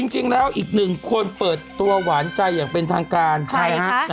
จริงแล้วอีกหนึ่งคนเปิดตัวหวานใจอย่างเป็นทางการใช่ฮะ